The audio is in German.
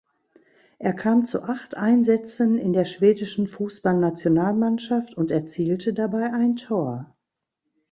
Er kam zu acht Einsätzen in der schwedischen Fußballnationalmannschaft und erzielte dabei ein Tor.